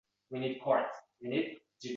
Yaqin atrofda ona-bola ko`rinmaydi